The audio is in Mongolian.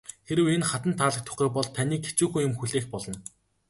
Хэрэв энэ хатанд таалагдахгүй бол таныг хэцүүхэн юм хүлээх болно.